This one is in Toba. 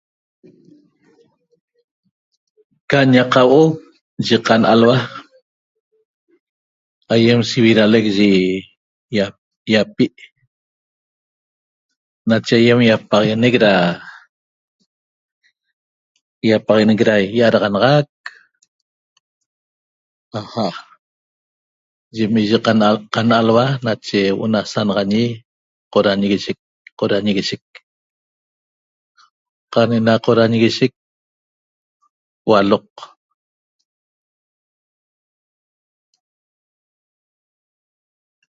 Qa ñaqahuo yi qanalhua ayem seviralec yim iyi yapee nache ayem yapaxaguenec da yapaxaguenec iaraxanac ajaa yim iyi qanalhua nache huo na qorañiguishec qac enam qorañiguishec hualoq .